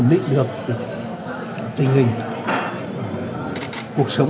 ổn định được tình hình cuộc sống